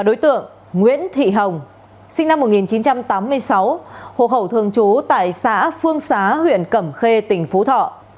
đối tượng nguyễn thị hồng sinh năm một nghìn chín trăm tám mươi sáu hộ khẩu thường trú tại xã phương xá huyện cẩm khê tỉnh phú thọ